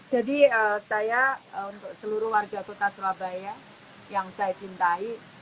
jadi saya untuk seluruh warga kota surabaya yang saya cintai